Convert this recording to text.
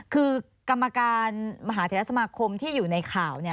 คือกรรมการมหาเทศสมาคมที่อยู่ในข่าว